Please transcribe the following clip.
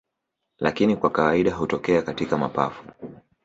Lakini kwa kawaida hutokea katika mapafu